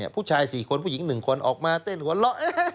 ผู้ชาย๔คนผู้หญิง๑คนออกมาเต้นหัวเราะ